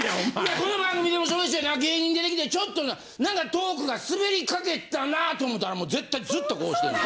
この番組でもそうしてな芸人出てきてちょっと何かトークがスベりかけたなと思ったらもう絶対ずっとこうしてんねん。